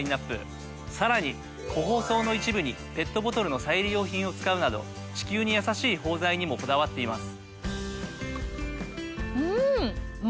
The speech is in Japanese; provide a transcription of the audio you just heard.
さらに個包装の一部にペットボトルの再利用品を使うなど地球にやさしい包材にもこだわっています。